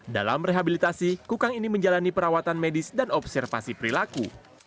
dalam rehabilitasi kukang ini menjalani perawatan medis dan observasi perilaku